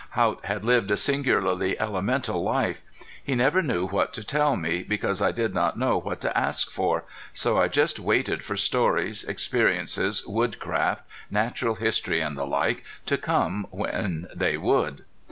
Haught had lived a singularly elemental life. He never knew what to tell me, because I did not know what to ask for, so I just waited for stories, experiences, woodcraft, natural history and the like, to come when they would.